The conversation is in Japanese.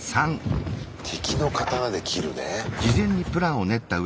敵の刀で斬るね。